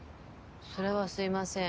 それはすいません。